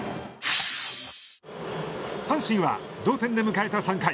阪神は同点で迎えた３回。